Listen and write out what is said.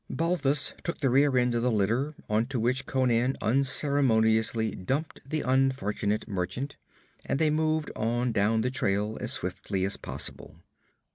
Balthus took the rear end of the litter, onto which Conan unceremoniously dumped the unfortunate merchant, and they moved on down the trail as swiftly as possible.